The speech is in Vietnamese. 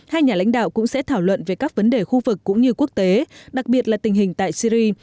hai nhà lãnh đạo cũng sẽ thảo luận về các vấn đề khu vực cũng như quốc tế đặc biệt là tình hình tại syri